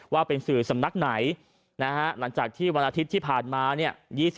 ว่าเป็นสื่อสำนักไหนนะฮะหลังจากที่วันอาทิตย์ที่ผ่านมาเนี่ย